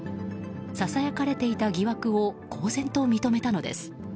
ささやかれていた疑惑を公然と認めたのです。